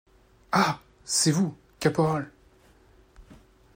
Ah ! c’est vous, Caporal !